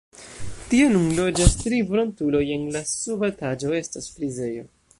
Tie nun loĝas tri volontuloj, en la suba etaĝo estas frizejo.